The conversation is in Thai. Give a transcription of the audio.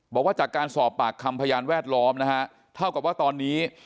บอกว่าจากการสอบปากคำพยานแวดล้อมนะฮะเท่ากับว่าตอนนี้